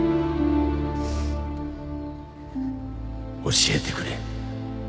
教えてくれ。